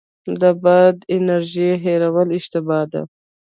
د باد انرژۍ هیرول اشتباه ده.